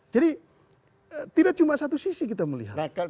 jadi tidak cuma satu sisi kita melihat